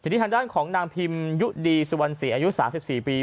ทีนี้ทางด้านของนางพิมยุดีสุวรรณศรีอายุ๓๔ปี